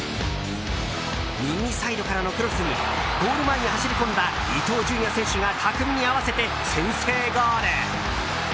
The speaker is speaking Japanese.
右サイドからのクロスにゴール前に走り込んだ伊東純也選手が巧みに合わせて先制ゴール！